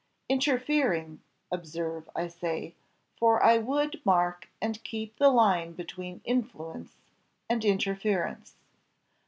Interfering, observe I say, for I would mark and keep the line between influence and interference.